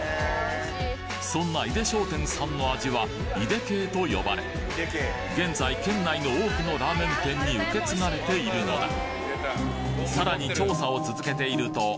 そんな井出商店さんの味は井出系と呼ばれ現在県内の多くのラーメン店に受け継がれているのださらに